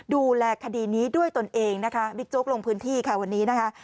ดูแลคดีนี้ด้วยตนเองนะคะบิ๊กโจ๊กลงพื้นที่ค่ะวันนี้นะคะ